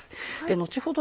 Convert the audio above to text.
後ほど